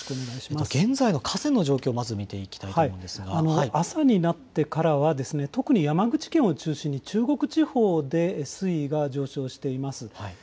現在の河川の状況を見ていきたいと思うんですが、朝になってからは特に山口県を中心に中国地方で水位が上昇しています。